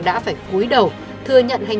để cá nhân